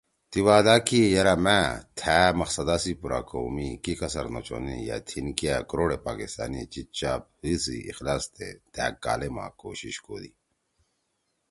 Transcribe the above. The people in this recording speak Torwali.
تی وعدا کی یرأ مأ تھأ مقصدا سی پُورا کؤ می کی کسر نہ چھونیِن یأ تھیِن کیا کروڑے پاکستانی چیِت چاب حی سی اخلاص تے دھأک کالے ما کوشِش کودی